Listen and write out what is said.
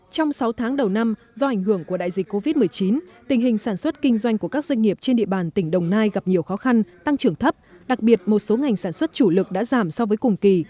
trong sáu tháng đầu năm do ảnh hưởng của đại dịch covid một mươi chín tình hình sản xuất kinh doanh của các doanh nghiệp trên địa bàn tỉnh đồng nai gặp nhiều khó khăn tăng trưởng thấp đặc biệt một số ngành sản xuất chủ lực đã giảm so với cùng kỳ